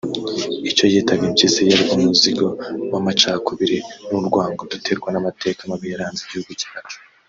Icyo yitaga impyisi yari umuzigo w’amacakubiri n’urwango duterwa n’amateka mabi yaranze igihugu cyacu